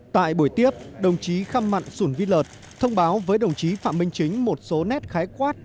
tại buổi tiếp đồng chí khăm mặn sùn vi lợt thông báo với đồng chí phạm minh chính một số nét khái quát